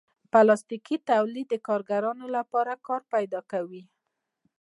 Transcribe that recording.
پلاستيکي تولید د کارګرانو لپاره کار پیدا کوي.